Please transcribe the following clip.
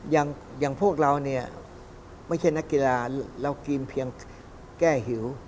อย่างพวกเราเนี่ยไม่ใช่นักกีฬาเรากินเพียงแก้หิว